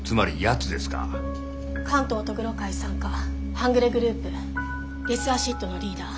関東戸愚呂会傘下半グレグループデスアシッドのリーダー